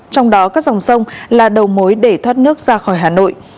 trong đó các dòng sông là đầu mối để thoát nước ra khỏi hà nội